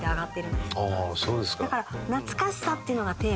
だから。